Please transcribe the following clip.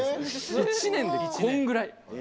１年でこんぐらい！